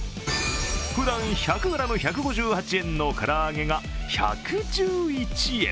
ふだん１００ｇ１５８円の唐揚げが１１１円。